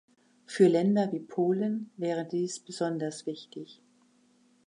Für Länder wie Polen wäre dies besonders wichtig.